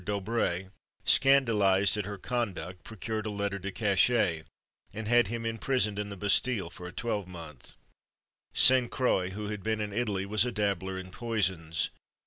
D'Aubray, scandalised at her conduct, procured a lettre de cachet, and had him imprisoned in the Bastille for a twelvemonth. [Illustration: THE BASTILLE.] Sainte Croix, who had been in Italy, was a dabbler in poisons.